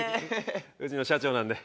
うちの社長なんで。